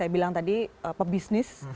bilang tadi pebisnis